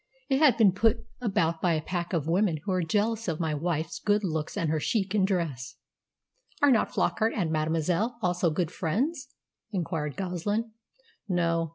It has been put about by a pack of women who are jealous of my wife's good looks and her chic in dress." "Are not Flockart and mademoiselle also good friends?" inquired Goslin. "No.